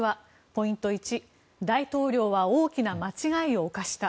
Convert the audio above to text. ポイント１、大統領は大きな間違いを犯した。